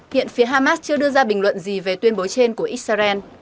hiện phía hamas chưa đưa ra bình luận gì về tuyên bố trên của israel